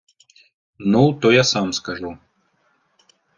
Ну, то я сам скажу!